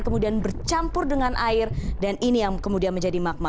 kemudian bercampur dengan air dan ini yang kemudian menjadi magma